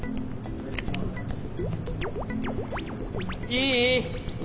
いい？